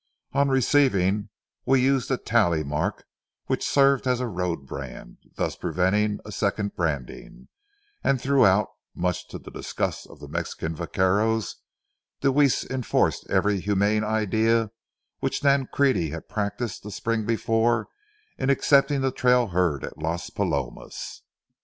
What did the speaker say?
On receiving, we used a tally mark which served as a road brand, thus preventing a second branding, and throughout—much to the disgust of the Mexican vaqueros—Deweese enforced every humane idea which Nancrede had practiced the spring before in accepting the trail herd at Las Palomas.